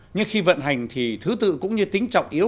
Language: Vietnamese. nhưng khi vận hành thì thứ tự cũng như tính trọng yếu